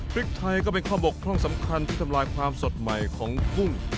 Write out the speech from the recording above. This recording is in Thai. พริกไทยก็เป็นข้อบกพร่องสำคัญที่ทำลายความสดใหม่ของกุ้ง